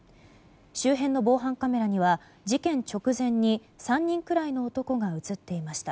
周辺の防犯カメラには事件直前に３人くらいの男が映っていました。